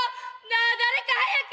なあ誰か早く！